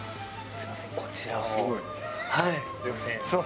すみません。